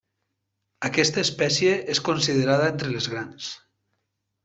Aquesta espècie és considerada entre les grans.